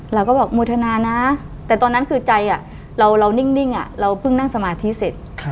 เราก็บอกโมทนานะแต่ตอนนั้นคือใจเรานิ่งเราเพิ่งนั่งสมาธิเสร็จ